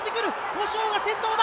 古性が先頭だ！